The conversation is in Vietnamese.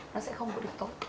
nó sẽ không có được tốt